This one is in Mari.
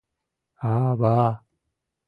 — А-ва...